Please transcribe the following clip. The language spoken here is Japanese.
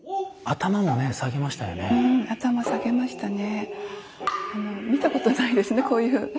うん頭下げましたね。